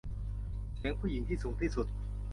เสียงผู้หญิงที่สูงที่สุด